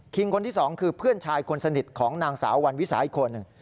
คนที่สองคือเพื่อนชายคนสนิทของนางสาววันวิสาอีกคนหนึ่ง